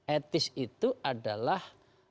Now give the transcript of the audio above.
etis itu adalah